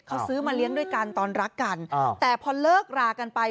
เขาซื้อมาเลี้ยงด้วยกันตอนรักกันแต่พอเลิกรากันไป